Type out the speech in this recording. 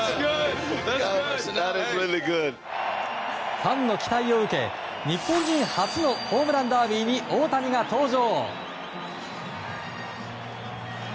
ファンの期待を受け日本人初のホームランダービーに大谷が登場。